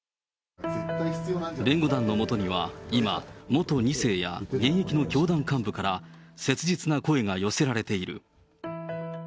弁護団のもとには今、元２世や現役の教団幹部から切実な声が寄せられている。